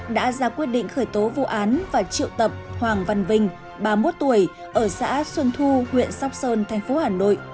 đã ra quyết định khởi tố vụ án và triệu tập hoàng văn vinh ba mươi một tuổi ở xã xuân thu huyện sóc sơn thành phố hà nội